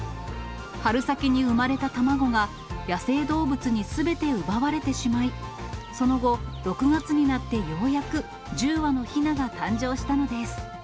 春先に産まれた卵が野生動物にすべて奪われてしまい、その後、６月になってようやく１０羽のひなが誕生したのです。